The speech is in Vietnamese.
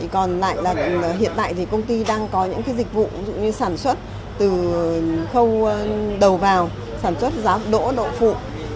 còn hiện tại thì công ty đang có những dịch vụ như sản xuất từ khâu đầu vào sản xuất giám đỗ đậu phụ